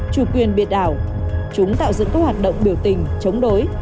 chủ quyền biệt đảo chúng tạo dựng các hoạt động biểu tình chống đối